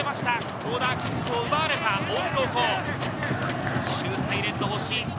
コーナーキックを奪われた大津高校。